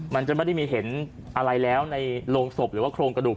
มันจะไม่ได้มีเห็นอะไรแล้วในโรงศพหรือว่าโครงกระดูก